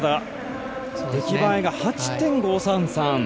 出来栄えが８．５３３。